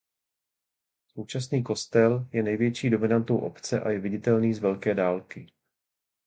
Současný kostel je největší dominantou obce a je viditelný z velké dálky.